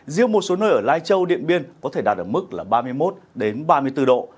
riêng một số nơi ở lai châu điện biên có thể đạt ở mức là ba mươi một ba mươi bốn độ